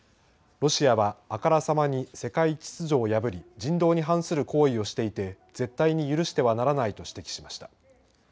ロシアはあからさまに世界秩序を破り、人道に反する行為をしていて絶対に許してはならないと指摘しました。